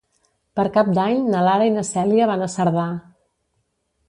Per Cap d'Any na Lara i na Cèlia van a Cerdà.